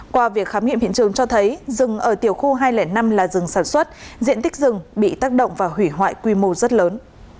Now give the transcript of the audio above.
qua việc khám nghiệm hiện trường cho thấy rừng ở tiểu khu hai trăm linh năm là rừng sản xuất diện tích rừng bị tác động và hủy hoại quy mô rất lớn